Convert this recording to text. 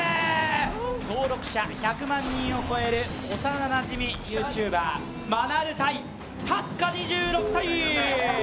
登録者１００万人を超える幼なじみＹｏｕＴｕｂｅｒマナル隊、たっか２６歳。